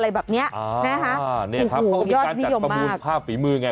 อะไรแบบเนี้ยอ่านี่ค่ะเขาก็มีการจัดประมูลภาพฝีมือไง